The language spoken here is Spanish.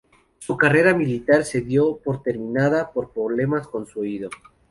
Su carrera militar se dio por terminada por problemas con su oído.